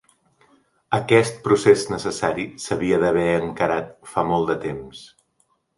Aquest procés necessari s’havia d’haver encarat fa molt de temps.